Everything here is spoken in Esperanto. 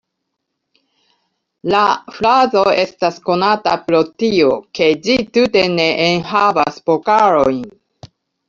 La frazo estas konata pro tio, ke ĝi tute ne enhavas vokalojn.